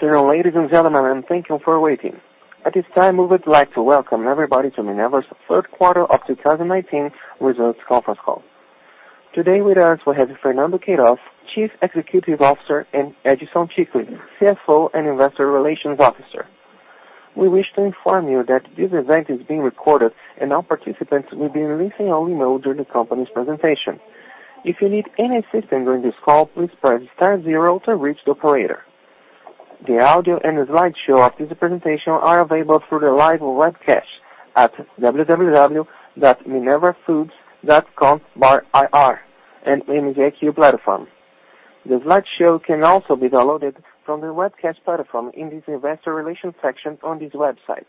Afternoon, ladies and gentlemen. Thank you for waiting. At this time, we would like to welcome everybody to Minerva's third quarter of 2019 results conference call. Today with us, we have Fernando Queiroz, Chief Executive Officer, and Edison Ticle CFO and Investor Relations Officer. We wish to inform you that this event is being recorded and all participants will be listening only mode during the company's presentation. If you need any assistance during this call, please press star zero to reach the operator. The audio and the slideshow of this presentation are available through the live webcast at www.minervafoods.com/ir in MZiQ platform. The slideshow can also be downloaded from the webcast platform in the investor relations section on this website.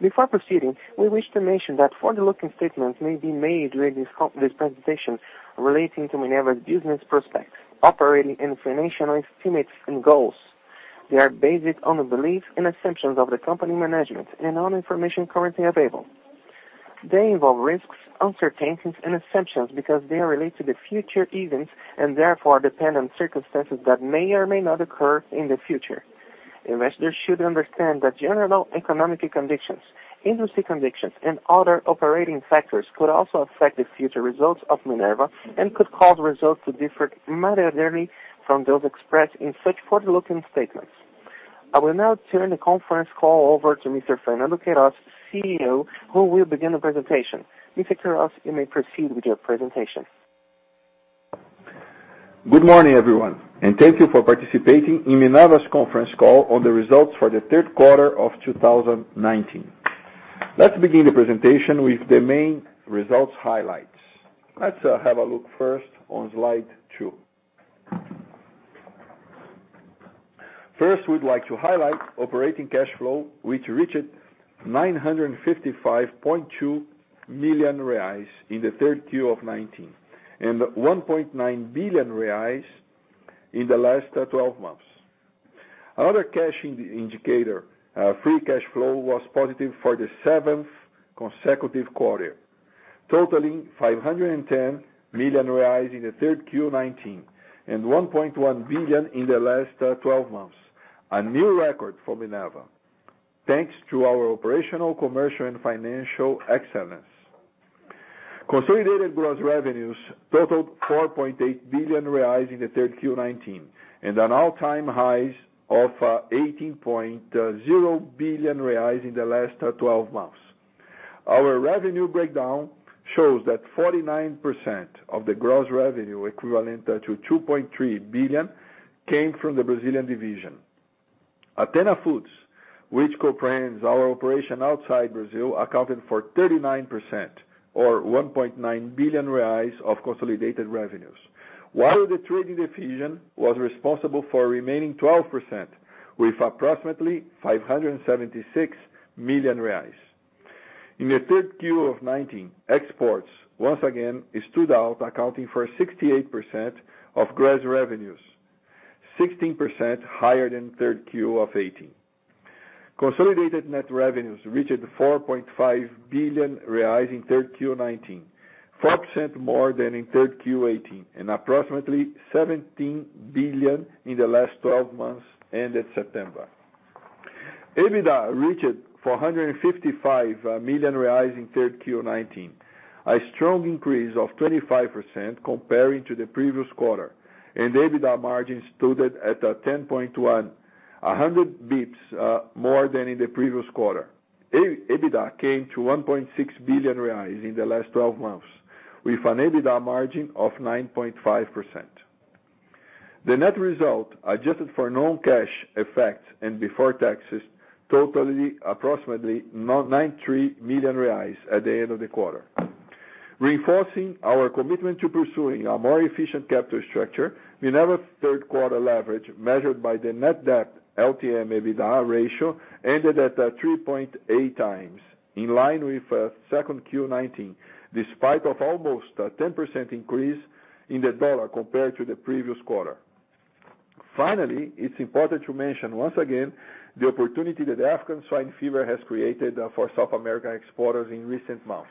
Before proceeding, we wish to mention that forward-looking statements may be made during this presentation relating to Minerva's business prospects, operating and financial estimates and goals. They are based on the beliefs and assumptions of the company management and on information currently available. They involve risks, uncertainties, and assumptions because they are related to the future events and therefore depend on circumstances that may or may not occur in the future. Investors should understand that general economic conditions, industry conditions, and other operating factors could also affect the future results of Minerva and could cause results to differ materially from those expressed in such forward-looking statements. I will now turn the conference call over to Mr. Fernando Queiroz, CEO, who will begin the presentation. Mr. Queiroz, you may proceed with your presentation. Good morning, everyone, and thank you for participating in Minerva's conference call on the results for the third quarter of 2019. Let's begin the presentation with the main results highlights. Let's have a look first on slide two. First, we'd like to highlight operating cash flow, which reached 955.2 million reais in the third Q of 2019 and 1.9 billion reais in the last 12 months. Another cash indicator, free cash flow, was positive for the seventh consecutive quarter, totaling 510 million reais in the third Q 2019, and 1.1 billion in the last 12 months. A new record for Minerva, thanks to our operational, commercial, and financial excellence. Consolidated gross revenues totaled 4.8 billion reais in the third Q 2019, and an all-time high of 18.0 billion reais in the last 12 months. Our revenue breakdown shows that 49% of the gross revenue, equivalent to 2.3 billion, came from the Brazilian division. Athena Foods, which comprise our operation outside Brazil, accounted for 39%, or 1.9 billion reais of consolidated revenues. The trading division was responsible for remaining 12%, with approximately 576 million reais. In the third Q of 2019, exports, once again, stood out, accounting for 68% of gross revenues, 16% higher than third Q of 2018. Consolidated net revenues reached 4.5 billion reais in third Q 2019, 4% more than in third Q 2018, and approximately 17 billion in the last 12 months, ended September. EBITDA reached 455 million reais in third Q 2019, a strong increase of 25% comparing to the previous quarter, and the EBITDA margin stood at 10.1%, 100 basis points more than in the previous quarter. EBITDA came to 1.6 billion reais in the last 12 months, with an EBITDA margin of 9.5%. The net result, adjusted for non-cash effects and before taxes, totaled approximately 9.3 million reais at the end of the quarter. Reinforcing our commitment to pursuing a more efficient capital structure, Minerva's third quarter leverage, measured by the net debt LTM/EBITDA ratio, ended at 3.8 times, in line with second Q 2019, despite of almost a 10% increase in the USD compared to the previous quarter. It's important to mention, once again, the opportunity that African swine fever has created for South American exporters in recent months.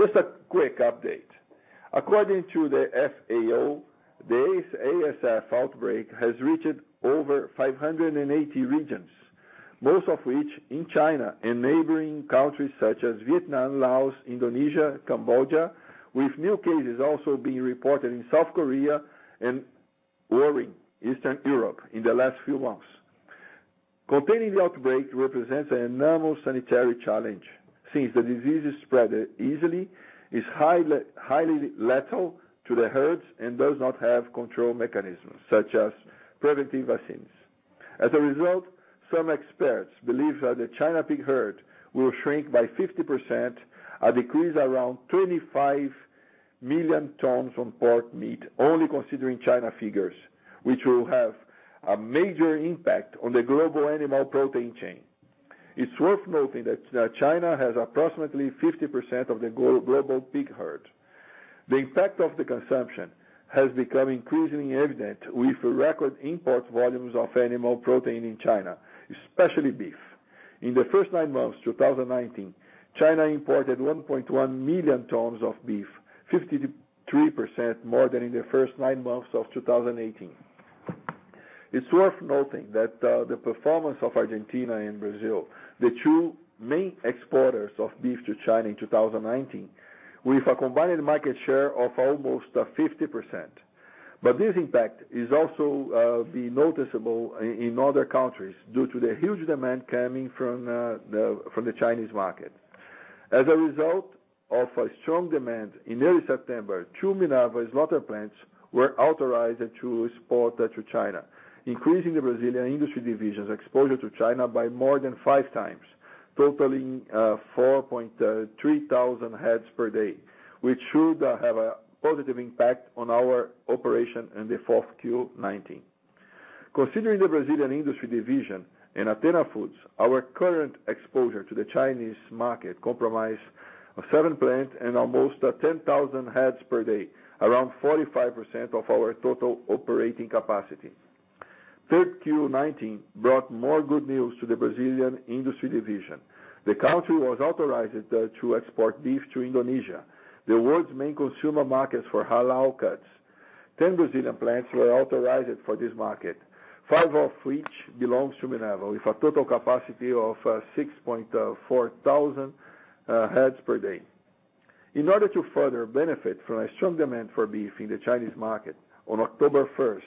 Just a quick update. According to the FAO, the ASF outbreak has reached over 580 regions, most of which in China and neighboring countries such as Vietnam, Laos, Indonesia, Cambodia, with new cases also being reported in South Korea and worrying Eastern Europe in the last few months. Containing the outbreak represents an enormous sanitary challenge, since the disease is spread easily, is highly lethal to the herds, and does not have control mechanisms such as preventive vaccines. As a result, some experts believe that the China pig herd will shrink by 50%, a decrease around 25 million tons on pork meat, only considering China figures, which will have a major impact on the global animal protein chain. It's worth noting that China has approximately 50% of the global pig herd. The impact of the consumption has become increasingly evident with record import volumes of animal protein in China, especially beef. In the first nine months, 2019, China imported 1.1 million tons of beef, 53% more than in the first nine months of 2018. It's worth noting that the performance of Argentina and Brazil, the two main exporters of beef to China in 2019, with a combined market share of almost 50%. This impact is also being noticeable in other countries due to the huge demand coming from the Chinese market. As a result of a strong demand in early September, two Minerva slaughter plants were authorized to export to China, increasing the Brazilian industry division's exposure to China by more than five times, totaling 4,300 heads per day, which should have a positive impact on our operation in the fourth Q 2019. Considering the Brazilian industry division and Athena Foods, our current exposure to the Chinese market comprises seven plants and almost 10,000 heads per day, around 45% of our total operating capacity. Third Q 2019 brought more good news to the Brazilian industry division. The country was authorized to export beef to Indonesia, the world's main consumer markets for halal cuts. 10 Brazilian plants were authorized for this market, five of which belongs to Minerva, with a total capacity of 6,400 heads per day. In order to further benefit from a strong demand for beef in the Chinese market, on October 1st,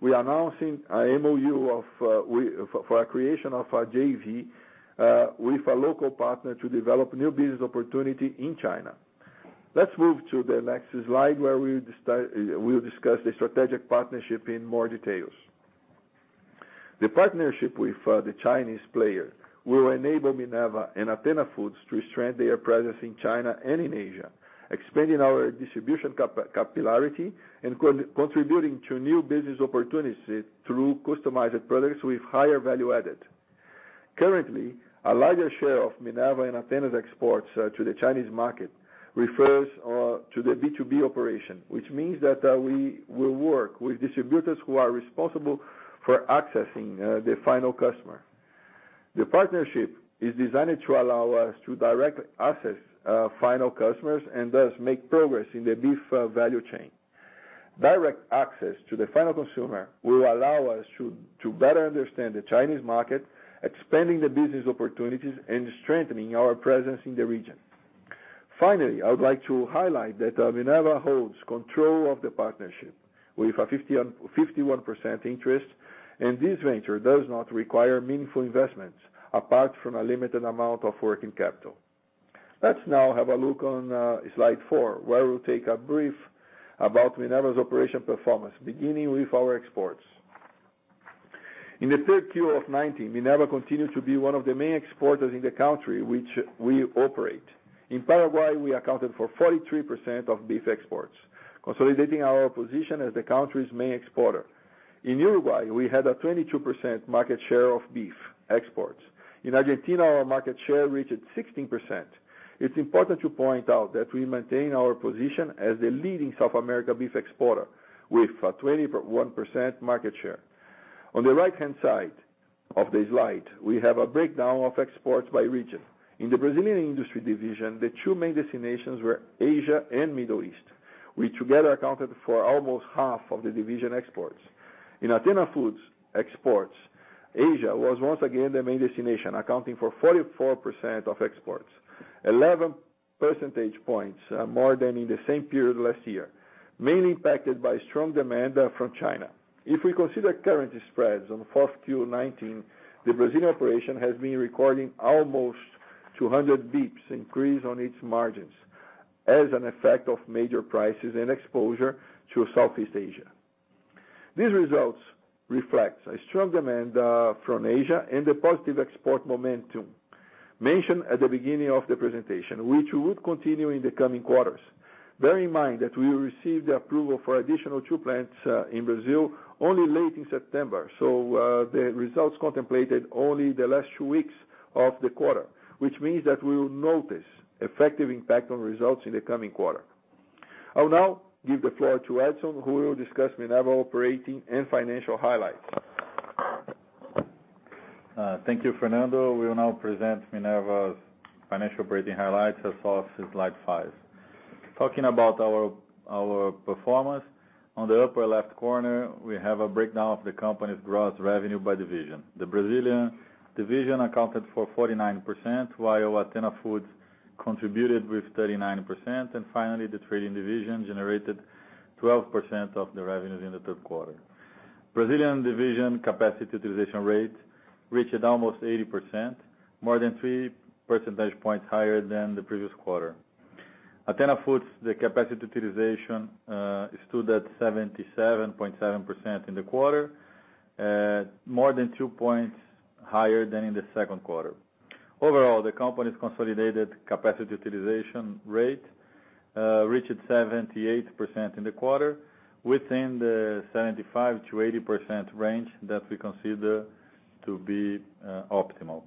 we are announcing a MoU for a creation of a JV with a local partner to develop new business opportunity in China. Let's move to the next slide, where we'll discuss the strategic partnership in more details. The partnership with the Chinese player will enable Minerva and Athena Foods to strengthen their presence in China and in Asia, expanding our distribution capillarity and contributing to new business opportunities through customized products with higher value added. Currently, a larger share of Minerva and Athena's exports to the Chinese market refers to the B2B operation, which means that we will work with distributors who are responsible for accessing the final customer. The partnership is designed to allow us to directly access final customers and thus make progress in the beef value chain. Direct access to the final consumer will allow us to better understand the Chinese market, expanding the business opportunities, and strengthening our presence in the region. Finally, I would like to highlight that Minerva holds control of the partnership, with a 51% interest, and this venture does not require meaningful investments apart from a limited amount of working capital. Let's now have a look on slide four, where we'll take a brief about Minerva's operation performance, beginning with our exports. In the third quarter of 2019, Minerva continued to be one of the main exporters in the country which we operate. In Paraguay, we accounted for 43% of beef exports, consolidating our position as the country's main exporter. In Uruguay, we had a 22% market share of beef exports. In Argentina, our market share reached 16%. It's important to point out that we maintain our position as the leading South America beef exporter with a 21% market share. On the right-hand side of the slide, we have a breakdown of exports by region. In the Brazilian industry division, the two main destinations were Asia and Middle East, which together accounted for almost half of the division exports. In Athena Foods exports, Asia was once again the main destination, accounting for 44% of exports, 11 percentage points more than in the same period last year, mainly impacted by strong demand from China. If we consider currency spreads on fourth Q 2019, the Brazilian operation has been recording almost 200 basis points increase on its margins as an effect of major prices and exposure to Southeast Asia. These results reflect a strong demand from Asia and the positive export momentum mentioned at the beginning of the presentation, which would continue in the coming quarters. Bear in mind that we received the approval for additional two plants in Brazil only late in September. The results contemplated only the last two weeks of the quarter, which means that we will notice effective impact on results in the coming quarter. I will now give the floor to Edson, who will discuss Minerva operating and financial highlights. Thank you, Fernando. We will now present Minerva's financial operating highlights, as of slide five. Talking about our performance, on the upper-left corner, we have a breakdown of the company's gross revenue by division. Finally, the Brazilian division accounted for 49%, while Athena Foods contributed with 39%, the trading division generated 12% of the revenues in the third quarter. Brazilian division capacity utilization rate reached almost 80%, more than 3 percentage points higher than the previous quarter. Athena Foods, the capacity utilization stood at 77.7% in the quarter, more than 2 points higher than in the second quarter. Overall, the company's consolidated capacity utilization rate reached 78% in the quarter, within the 75%-80% range that we consider to be optimal.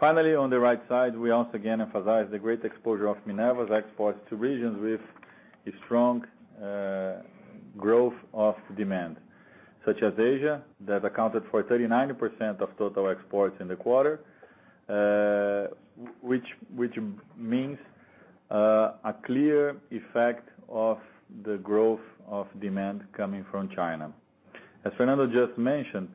Finally, on the right side, we also again emphasize the great exposure of Minerva's exports to regions with a strong growth of demand. Such as Asia, that accounted for 39% of total exports in the quarter, which means a clear effect of the growth of demand coming from China. As Fernando just mentioned,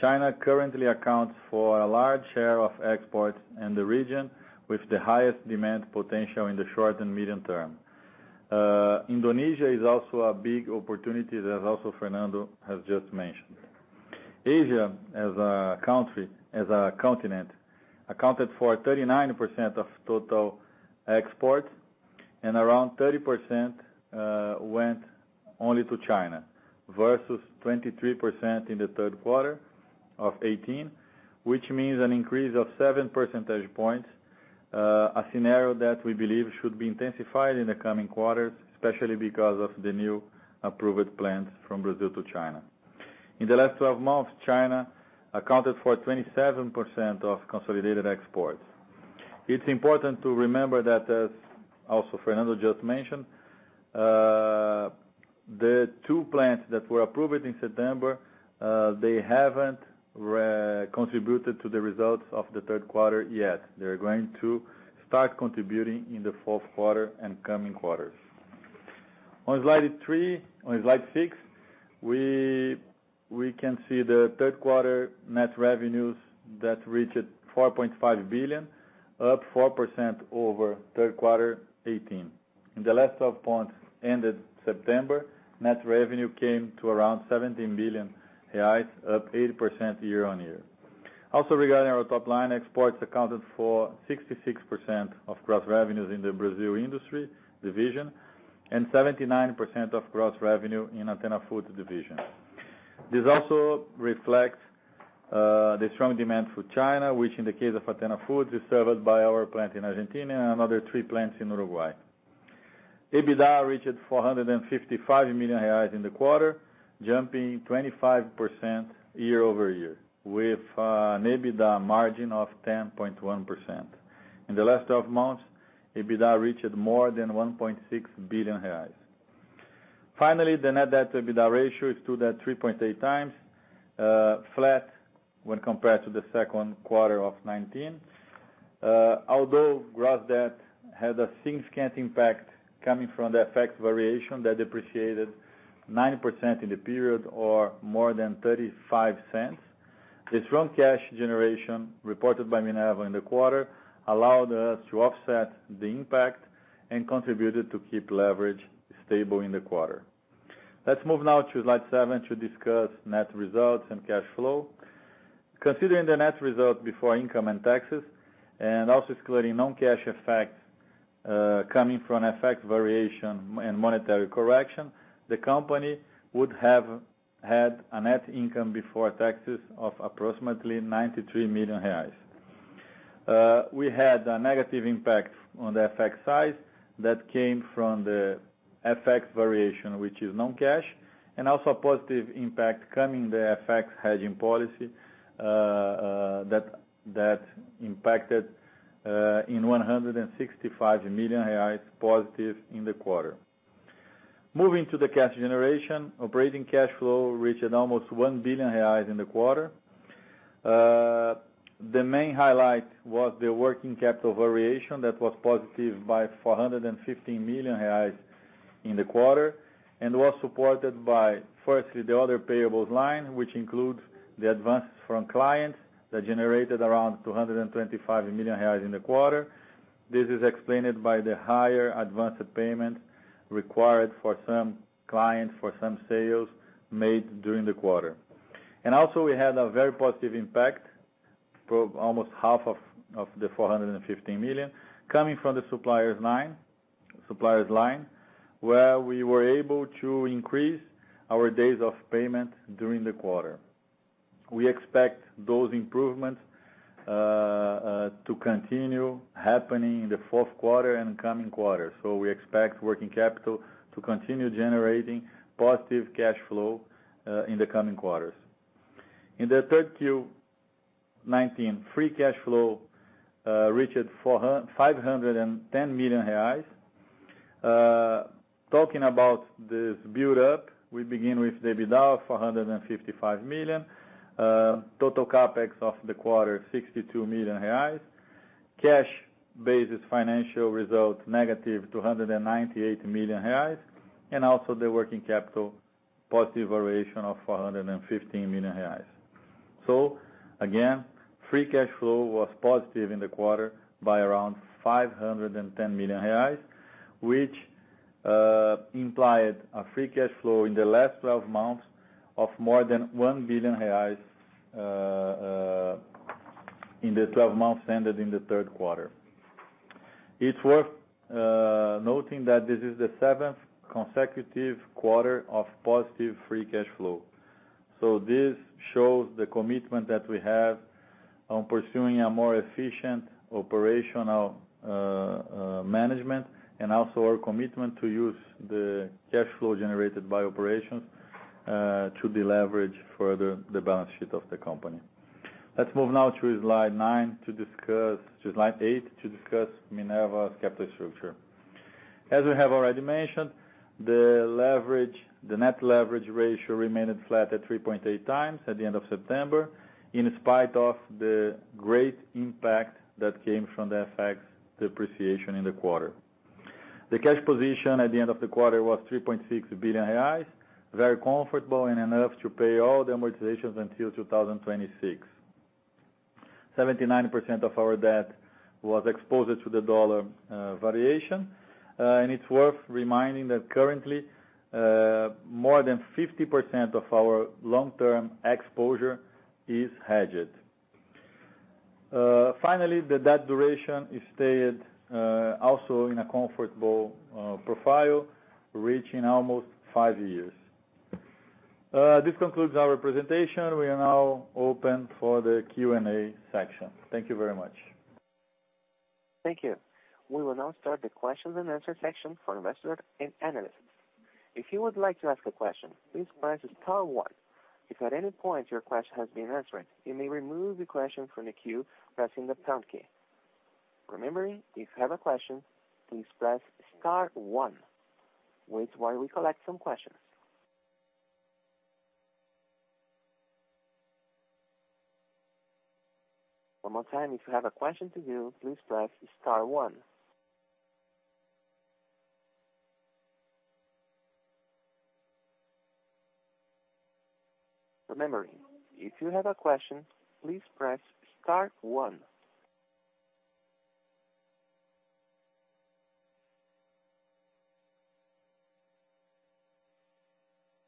China currently accounts for a large share of exports in the region, with the highest demand potential in the short and medium term. Indonesia is also a big opportunity that also Fernando has just mentioned. Asia, as a continent, accounted for 39% of total exports, and around 30% went only to China, versus 23% in the third quarter of 2018, which means an increase of seven percentage points. A scenario that we believe should be intensified in the coming quarters, especially because of the new approved plants from Brazil to China. In the last 12 months, China accounted for 27% of consolidated exports. It's important to remember that, as also Fernando just mentioned, the two plants that were approved in September, they haven't contributed to the results of the third quarter yet. They're going to start contributing in the fourth quarter and coming quarters. On slide six, we can see the third quarter net revenues that reached 4.5 billion, up 4% over third quarter 2018. In the last 12 months, ended September, net revenue came to around 17 billion reais, up 80% year-on-year. Regarding our top line, exports accounted for 66% of gross revenues in the Brazil industry division, and 79% of gross revenue in Athena Foods division. This also reflects the strong demand for China, which, in the case of Athena Foods, is served by our plant in Argentina and another three plants in Uruguay. EBITDA reached 455 million reais in the quarter, jumping 25% year-over-year, with an EBITDA margin of 10.1%. In the last 12 months, EBITDA reached more than 1.6 billion reais. Finally, the net debt-to-EBITDA ratio stood at 3.8 times, flat when compared to the second quarter of 2019. Although gross debt had a significant impact coming from the FX variation that depreciated 9% in the period or more than 0.35, the strong cash generation reported by Minerva in the quarter allowed us to offset the impact and contributed to keep leverage stable in the quarter. Let's move now to slide seven to discuss net results and cash flow. Considering the net result before income and taxes, and also excluding non-cash effects coming from FX variation and monetary correction, the company would have had a net income before taxes of approximately 93 million reais. We had a negative impact on the FX side that came from the FX variation, which is non-cash, and also a positive impact coming the FX hedging policy that impacted in 165 million reais positive in the quarter. Moving to the cash generation, operating cash flow reached almost 1 billion reais in the quarter. The main highlight was the working capital variation that was positive by 415 million reais in the quarter and was supported by, firstly, the other payables line, which includes the advances from clients that generated around 225 million reais in the quarter. This is explained by the higher advanced payment required for some clients for some sales made during the quarter. Also we had a very positive impact, almost half of the 415 million, coming from the suppliers' line, where we were able to increase our days of payment during the quarter. We expect those improvements to continue happening in the fourth quarter and coming quarters. We expect working capital to continue generating positive cash flow in the coming quarters. In the third Q 2019, free cash flow reached 510 million reais. Talking about this build up, we begin with the EBITDA of 455 million. Total CapEx of the quarter, 62 million reais. Cash basis financial results, negative 298 million reais, and also the working capital positive variation of 415 million reais. Again, free cash flow was positive in the quarter by around 510 million reais, which implied a free cash flow in the last 12 months of more than 1 billion reais in the 12 months ended in the third quarter. It's worth noting that this is the seventh consecutive quarter of positive free cash flow. This shows the commitment that we have on pursuing a more efficient operational management and also our commitment to use the cash flow generated by operations to deleverage further the balance sheet of the company. Let's move now to slide eight to discuss Minerva's capital structure. As we have already mentioned, the net leverage ratio remained flat at 3.8 times at the end of September, in spite of the great impact that came from the FX depreciation in the quarter. The cash position at the end of the quarter was 3.6 billion reais, very comfortable and enough to pay all the amortizations until 2026. 79% of our debt was exposed to the USD variation, and it's worth reminding that currently, more than 50% of our long-term exposure is hedged. Finally, the debt duration stayed also in a comfortable profile, reaching almost five years. This concludes our presentation. We are now open for the Q&A section. Thank you very much. Thank you. We will now start the question and answer section for investors and analysts. If you would like to ask a question, please press star one. If at any point your question has been answered, you may remove the question from the queue by pressing the pound key. Remembering, if you have a question, please press star one. Wait while we collect some questions. One more time. If you have a question to ask, please press star one. Remembering, if you have a question, please press star one.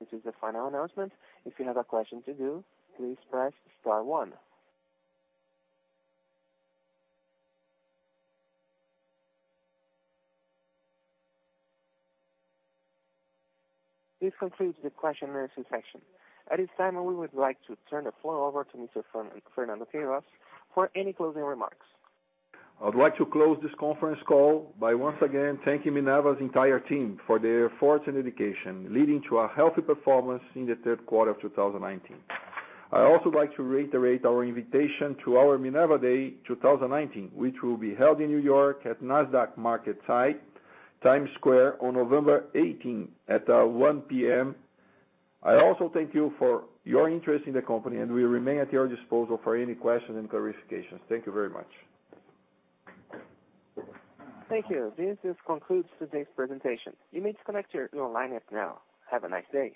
This is the final announcement. If you have a question to ask, please press star one. This concludes the question and answer section. At this time, we would like to turn the floor over to Mr. Fernando Queiroz for any closing remarks. I would like to close this conference call by once again thanking Minerva's entire team for their efforts and dedication, leading to a healthy performance in the third quarter of 2019. I also like to reiterate our invitation to our Minerva Day 2019, which will be held in New York at Nasdaq MarketSite, Times Square, on November 18 at 1:00 P.M. I also thank you for your interest in the company, and we remain at your disposal for any questions and clarifications. Thank you very much. Thank you. This concludes today's presentation. You may disconnect your line now. Have a nice day.